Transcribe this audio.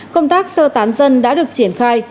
công tác sơ tán dân đã được triển khai